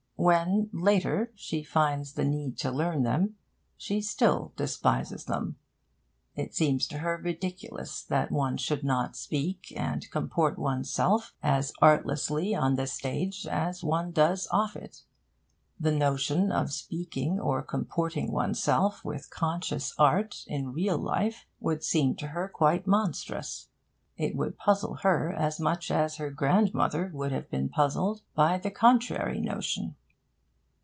When, later, she finds the need to learn them, she still despises them. It seems to her ridiculous that one should not speak and comport oneself as artlessly on the stage as one does off it. The notion of speaking or comporting oneself with conscious art in real life would seem to her quite monstrous. It would puzzle her as much as her grandmother would have been puzzled by the contrary notion.